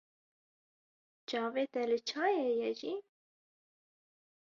Çavê te li çayê ye jî?